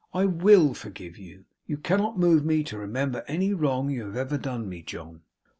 I WILL forgive you. You cannot move me to remember any wrong you have ever done me, John.